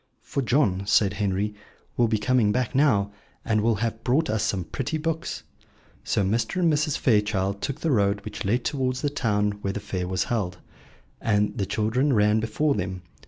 "For John," said Henry, "will be coming back now, and will have brought us some pretty books." So Mr. and Mrs. Fairchild took the road which led towards the town where the fair was held, and the children ran before them.